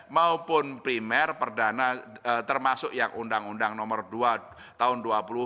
maupun primer perdana termasuk yang undang undang nomor dua tahun dua ribu dua puluh